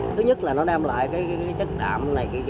thứ nhất là nó đem lại cái chất đạm